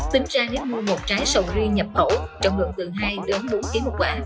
tính ra nếu mua một trái sầu riêng nhập khẩu trọng lượng từ hai đến bốn kg một quả